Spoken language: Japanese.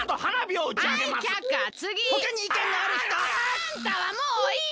あんたはもういい！